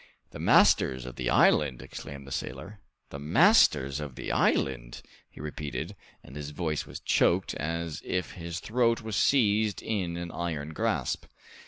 "The masters of the island!" exclaimed the sailor; "the masters of the island!..." he repeated, and his voice was choked, as if his throat was seized in an iron grasp.